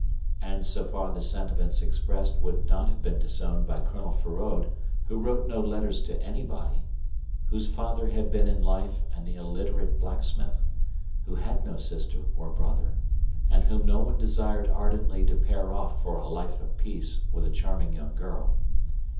And so far the sentiments expressed would not have been disowned by Colonel Feraud who wrote no letters to anybody; whose father had been in life an illiterate blacksmith; who had no sister or brother, and whom no one desired ardently to pair off for a life of peace with a charming young girl.